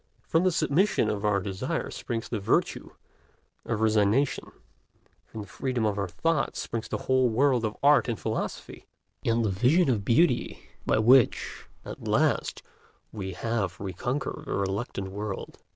From the submission of our desires springs the virtue of resignation; from the freedom of our thoughts springs the whole world of art and philosophy, and the vision of beauty by which, at last, we half reconquer the reluctant world.